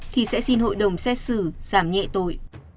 thì sẽ xin hội đồng xét xử giảm nhẹ tội